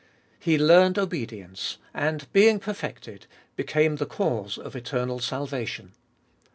He learned obedience, and being perfected, became the cause of eternal salvation.